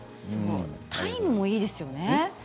タイムもいいですよね。